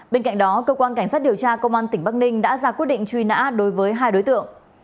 bên cạnh đó cơ quan cảnh sát điều tra công an tỉnh bắc ninh đã ra quyết định truy nã đối với hai đối tượng